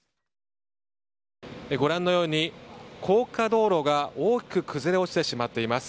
ご覧のように、高架道路が大きく崩れ落ちてしまっています。